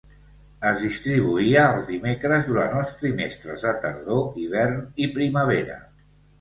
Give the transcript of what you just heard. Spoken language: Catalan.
Es distribuïa els dimecres durant els trimestres de tardor, hivern i primavera.